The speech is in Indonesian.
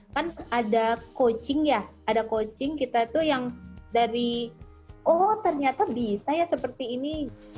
kan ada coaching ya ada coaching kita tuh yang dari oh ternyata bisa ya seperti ini